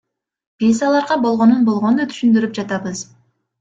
Биз аларга болгонун болгондой түшүндүрүп жатабыз.